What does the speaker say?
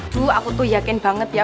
bu aku tuh yakin banget ya